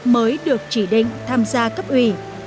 mới được chỉ định tham gia cấp ủy